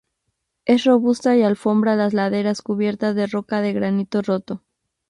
Es robusta y alfombra las laderas cubiertas de roca de granito roto.